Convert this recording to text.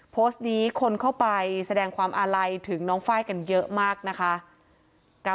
โพสต์นี้คนเข้าไปแสดงความอาลัยถึงน้องไฟล์กันเยอะมากนะคะ